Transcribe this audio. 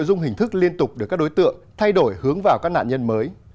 hình dung hình thức liên tục được các đối tượng thay đổi hướng vào các nạn nhân mới